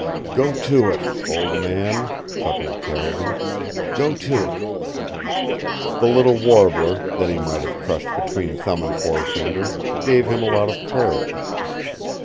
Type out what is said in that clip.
"Go to it, old man," chuckled Carrigan. "Go to it!" The little warbler, that he might have crushed between thumb and forefinger, gave him a lot of courage.